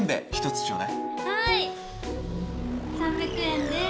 ３００円です。